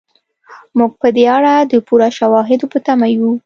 موږ په دې اړه د پوره شواهدو په تمه یو.